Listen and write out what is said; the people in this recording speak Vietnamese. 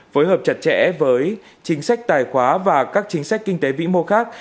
phối hợp chặt chẽ với chính sách tài khoá và các chính sách kinh tế vĩ mô khác